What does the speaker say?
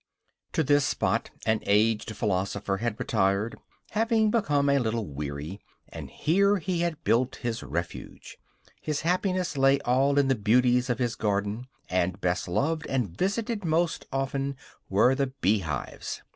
To this spot an aged philosopher had retired, having become a little weary; and here he had built his refuge. His happiness lay all in the beauties of his garden; and best loved, and visited most often, were the bee hives.